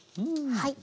はい。